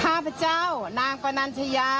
ข้าพเจ้านางกว้านักหญังจญา